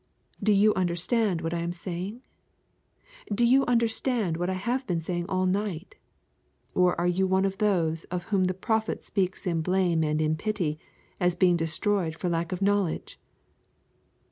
Do you understand what I am saying? Do you understand what I have been saying all night, or are you one of those of whom the prophet speaks in blame and in pity as being destroyed for lack of knowledge?